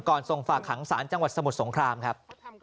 ส่งฝากหางศาลจังหวัดสมุทรสงครามครับ